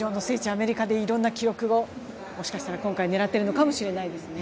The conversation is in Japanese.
アメリカでいろんな記録をもしかしたら今回、狙ってるかもしれないですね。